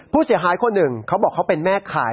ผู้เสียหายคนหนึ่งเขาบอกเขาเป็นแม่ขาย